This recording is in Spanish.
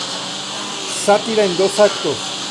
Sátira en dos actos.